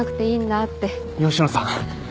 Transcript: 吉野さん。